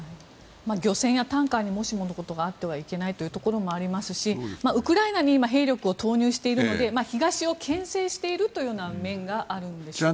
漁船やタンカーにもしものことがあってはいけないということもありますしウクライナに今、兵力を投入しているので東をけん制しているという面があるんでしょうか。